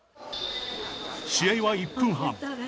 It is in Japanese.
試合は１分半。